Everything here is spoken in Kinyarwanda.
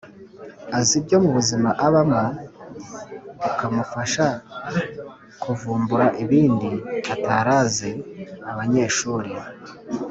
azi byo mu buzima abamo, ukamufasha kuvumbura ibindi atari azi. Abanyeshuri